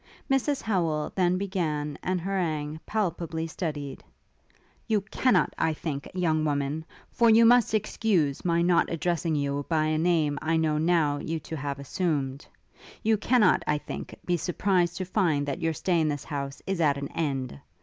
Mrs Howel then began an harangue palpably studied: 'You cannot, I think, young woman for you must excuse my not addressing you by a name I now know you to have assumed; you cannot, I think, be surprised to find that your stay in this house is at an end.